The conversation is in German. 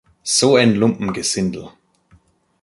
So ein Lumpengesindel!